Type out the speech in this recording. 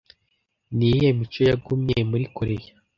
niyihe mico yagumye muri Koreya